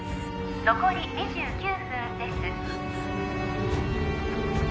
残り２９分です